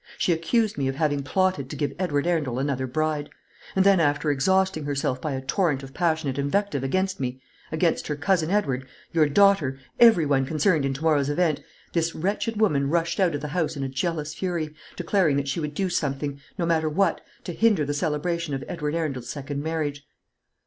She accused me of having plotted to give Edward Arundel another bride; and then, after exhausting herself by a torrent of passionate invective against me, against her cousin Edward, your daughter, every one concerned in to morrow's event, this wretched woman rushed out of the house in a jealous fury, declaring that she would do something no matter what to hinder the celebration of Edward Arundel's second marriage."